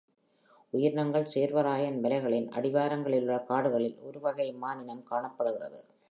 உயிரினங்கள் சேர்வராயன் மலைகளின் அடிவாரங்களிலுள்ள காடுகளில் ஒருவகை மானினம் காணப்படுகிறது.